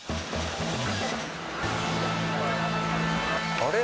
あれ？